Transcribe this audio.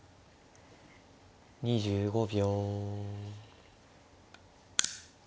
２５秒。